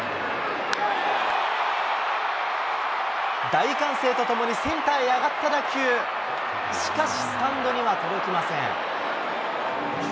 大歓声とともにセンターへ上がった打球、しかし、スタンドには届きません。